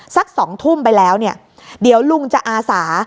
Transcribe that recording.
สัก๒ทุ่มไปแล้วเนี่ยเดี๋ยวลุงจะอาสา